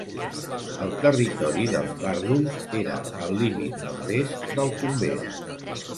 El territori dels vàrduls era al límit nord-est del convent.